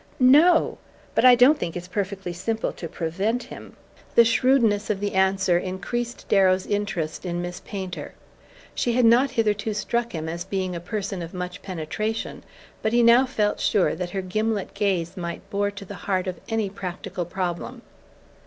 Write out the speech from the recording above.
"No; but I don't think it's perfectly simple to prevent him." The shrewdness of the answer increased Darrow's interest in Miss Painter. She had not hitherto struck him as being a person of much penetration, but he now felt sure that her gimlet gaze might bore to the heart of any practical problem.